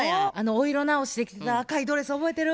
お色直しで着てた赤いドレス覚えてる？